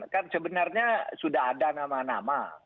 kan sebenarnya sudah ada nama nama